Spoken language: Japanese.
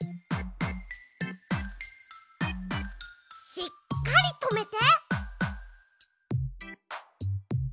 しっかりとめて。